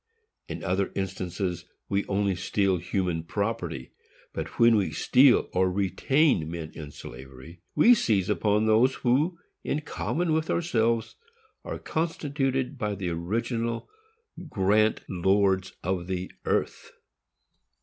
In other instances, we only steal human property; but when we steal or retain men in slavery, we seize those who, in common with ourselves, are constituted by the original grant lords of the earth.